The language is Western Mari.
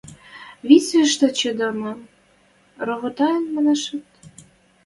Вӹц иштӹ чӹдӓшӹм ровотаен, машанет?..